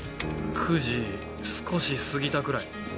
９時少し過ぎたくらい。